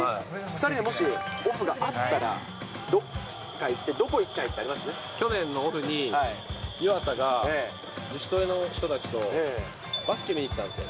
２人でもし、オフとかあったら、どこ行ってどこ行きたいってあり去年のオフに、湯浅が自主トレの人たちとバスケに行ったんですよ。